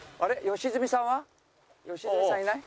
良純さんいない？